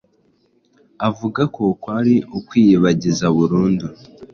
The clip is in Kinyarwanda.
avuga ko kwari ukwiyibagiza burundu